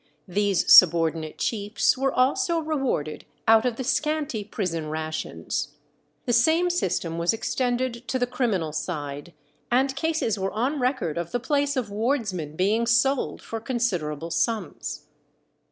These subordinate chiefs were also rewarded out of the scanty prison rations. The same system was extended to the criminal side, and cases were on record of the place of wardsman being sold for considerable sums.